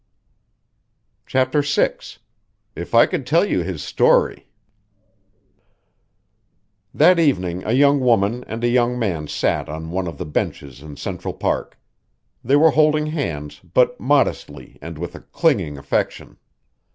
CHAPTER VI "If I could tell you his story" That evening a young woman and a young man sat on one of the benches in Central Park. They were holding hands, but modestly and with a clinging affection.